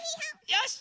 よし！